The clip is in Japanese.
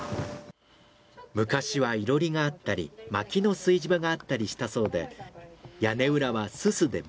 昔は囲炉裏があったりまきの炊事場があったりしたそうで屋根裏はすすで真っ黒。